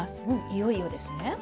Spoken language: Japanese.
いよいよですね。